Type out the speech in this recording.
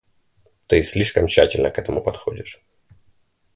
Ты слишком тщательно к этому подходишь.